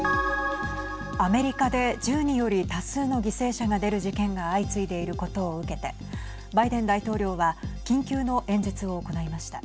アメリカで銃により多数の犠牲者が出る事件が相次いでいることを受けてバイデン大統領は緊急の演説を行いました。